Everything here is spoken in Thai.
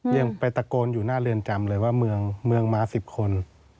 ยังไปตะโกนอยู่หน้าเรือนจำเลยว่าเมืองมา๑๐คน